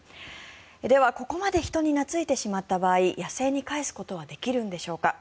では、ここまで人に懐いてしまった場合野生に返すことはできるのでしょうか。